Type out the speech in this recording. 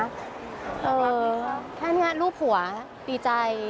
๖ปีครับแค่นี้รูปหัวดีใจ